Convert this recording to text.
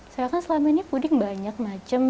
saya kan selama ini puding banyak macam